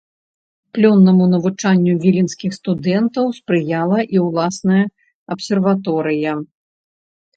Плённаму навучанню віленскіх студэнтаў спрыяла і ўласная абсерваторыя.